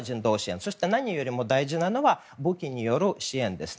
そして何よりも大事なのは武器による支援ですね。